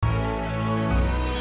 jangan tuvo akan tuju